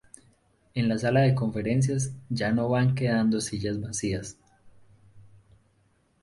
En la sala de conferencias ya no van quedando sillas vacías.